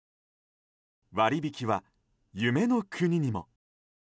割引は夢の国にも。